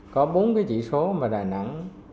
có bốn cái chỉ số mà đà nẵng